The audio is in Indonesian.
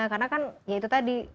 karena kan ya itu tadi